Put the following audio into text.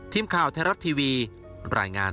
ทีมข่าวไทยรัฐทีวีรายงาน